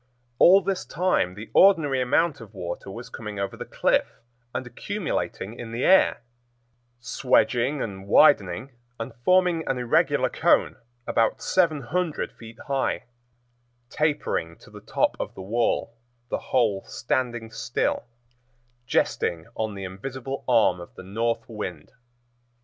All this time the ordinary amount of water was coming over the cliff and accumulating in the air, swedging and widening and forming an irregular cone about seven hundred feet high, tapering to the top of the wall, the whole standing still, jesting on the invisible arm of the North Wind.